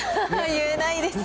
言えないです。